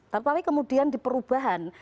tetapi kemudian di perubahan